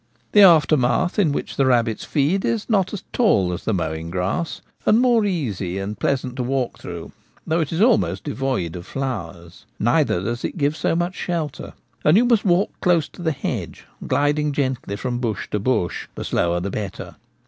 The aftermath in which the rabbits feed is not so tall as the mowing grass, and more easy and pleasant to walk through, though it is almost devoid of flowers. Neither does it give so much shelter ; and you must walk close to the hedge, gliding gently from bush to bush, the slower the better.